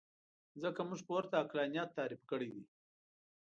ځکه موږ پورته عقلانیت تعریف کړی دی.